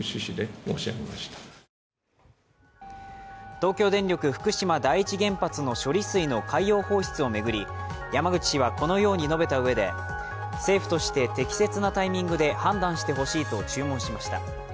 東京電力福島第一原発の処理水の海洋放出を巡り山口氏はこのように述べたうえで、政府として適切なタイミングで判断してほしいと注文しました。